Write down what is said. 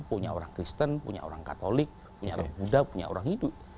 punya orang kristen punya orang katolik punya orang buddha punya orang hindu